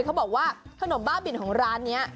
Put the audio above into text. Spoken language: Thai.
เขาบอกว่าขนมบ้าบินของร้านนี้